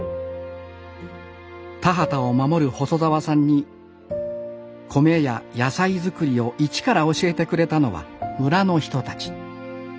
田畑を守る細澤さんに米や野菜作りを一から教えてくれたのは村の人たち。